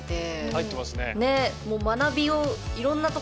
入ってますね。ね。